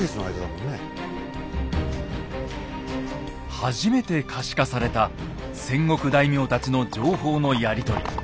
初めて可視化された戦国大名たちの情報のやり取り。